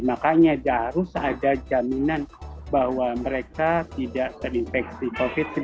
makanya harus ada jaminan bahwa mereka tidak terinfeksi covid sembilan belas